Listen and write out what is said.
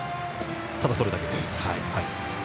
ただそれだけです。